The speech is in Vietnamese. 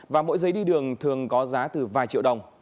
và mỗi giấy đi đường thường có giá từ vài triệu đồng